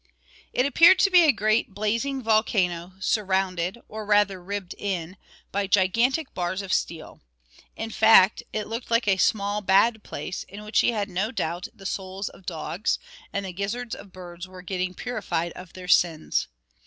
It appeared to be a great blazing volcano, surrounded, or rather ribbed in, by gigantic bars of steel; in fact it looked like a small bad place, in which he had no doubt the souls of dogs, and the gizzards of birds were getting purified of their sins.